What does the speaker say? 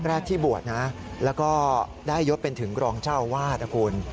แรกที่บวชนะแล้วก็ได้ยศเป็นถึงรองเจ้าอาวาสนะคุณ